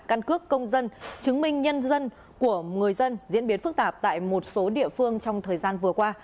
căn cước công dân chứng minh nhân dân của người dân diễn biến phức tạp tại một số địa phương trong thời gian vừa qua